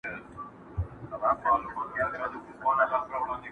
o پر خره سپرېدل يو شرم، ځيني کښته کېدل ئې بل شرم!